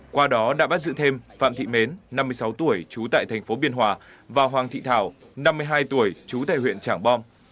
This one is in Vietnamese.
qua đó đã bắt giữ thêm phạm thị mến năm mươi sáu tuổi trú tại thành phố biên hòa và hoàng thị thảo năm mươi hai tuổi trú tại huyện trảng bom